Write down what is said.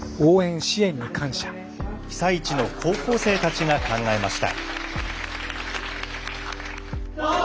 被災地の高校生たちが考えました。